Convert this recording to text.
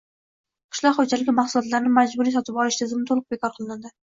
qishloq xo‘jaligi mahsulotlarini majburiy sotib olish tizimi to‘liq bekor qilinadi.